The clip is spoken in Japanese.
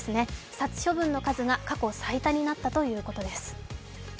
殺処分の数が過去最多になったということです。